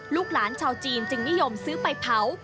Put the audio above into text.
ลูกหลานชาวจีนจึงนิยมซื้อไปเผา